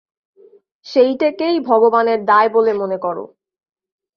সেইটেকেই ভগবানের দায় বলে মনে করো।